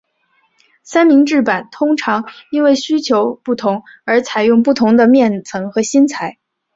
三明治板通常因为需求不同而采用不同的面层和芯材。